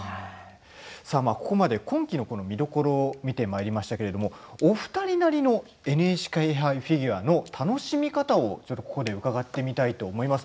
ここまで今季の見どころを見てきましたけれどもお二人なりの「ＮＨＫ杯フィギュア」の楽しみ方を伺ってみたいと思います。